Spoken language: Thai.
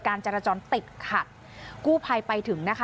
จรจรติดขัดกู้ภัยไปถึงนะคะ